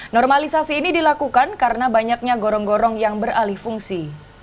normalisasi ini dilakukan karena banyaknya gorong gorong yang beralih fungsi